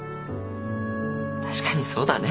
確かにそうだね。